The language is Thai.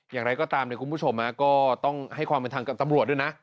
อย่างไรก็ตามคุณผู้ชมก็ต้องให้ความเป็นธรรมกับตำรวจด้วยนะ